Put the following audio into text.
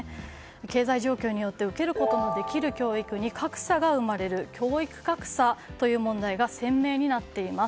経済状況によって受けることのできる教育に格差が生まれる教育格差という問題が鮮明になっています。